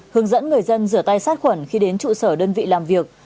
hướng dẫn người dân rửa tay sát khuẩn khi đến trụ sở đơn vị làm việc